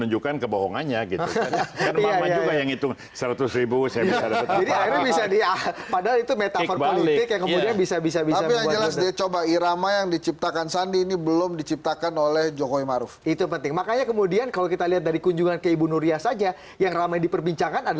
jokowi dan sandi